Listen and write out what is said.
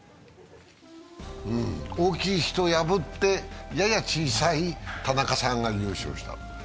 大きい人を破って、やや小さい田中さんが優勝した。